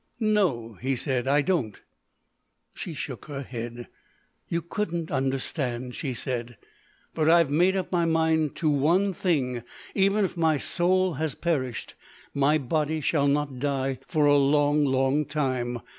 "No," he said, "I don't." She shook her head. "You couldn't understand," she said. "But I've made up my mind to one thing; even if my soul has perished, my body shall not die for a long, long time.